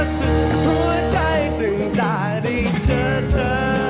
สุดหัวใจตื่นตาได้เจอเธอ